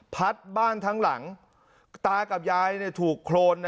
พัดบ้านทั้งหลังตากับยายถูกโครน